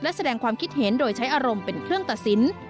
และแสดงความคิดเห็นโดยใช้อารมณ์เป็นเครื่องตัดสิน